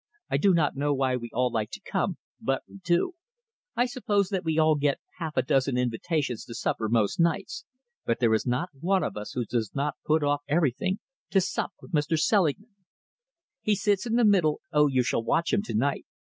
I do not know why we all like to come, but we do. I suppose that we all get half a dozen invitations to supper most nights, but there is not one of us who does not put off everything to sup with Mr. Selingman. He sits in the middle oh, you shall watch him to night!